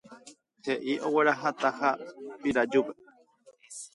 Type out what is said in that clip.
he'i oguerahataha Pirajúpe